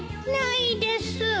ないです